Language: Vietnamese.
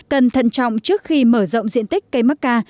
cần thận trọng trước khi mở rộng diện tích cây macca